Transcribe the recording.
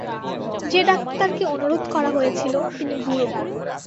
যে-ডাক্তারকে অনুরোধ করা হয়েছিল তিনি বুড়ো।